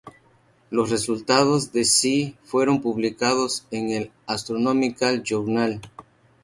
Los resultados de See fueron publicados en el Astronomical Journal.